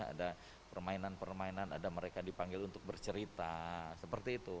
ada permainan permainan ada mereka dipanggil untuk bercerita seperti itu